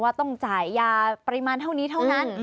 ต้องจ่ายยาปริมาณเท่านี้เท่านั้น